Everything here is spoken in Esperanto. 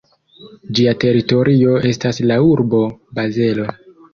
Ĝia teritorio estas la urbo Bazelo.